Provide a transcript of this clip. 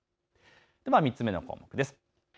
では３つ目の項目です。